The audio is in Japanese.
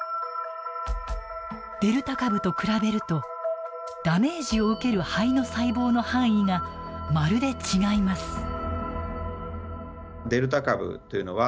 デルタ株と比べるとダメージを受ける肺の細胞の範囲がまるで違います。